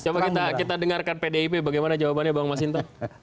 coba kita dengarkan pdip bagaimana jawabannya bang mas hinto